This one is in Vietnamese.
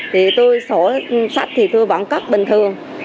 thì tôi sổ sách thì tôi bỏng cấp bình thường